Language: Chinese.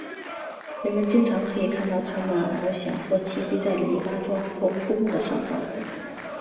人们经常可以看到它们翱翔或栖息在篱笆桩或枯木的上方。